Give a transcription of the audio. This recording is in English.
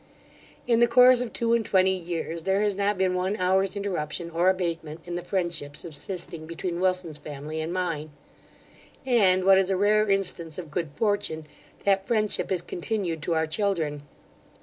In the course of two and twenty years, there has not been one hour's interruption or abatement in the friendship subsisting between Wilson's family and mine; and, what is a rare instance of good fortune, that friendship is continued to our children.